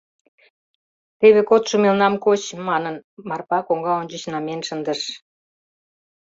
— Теве кодшо мелнам коч, — манын, Марпа коҥга ончыч намиен шындыш.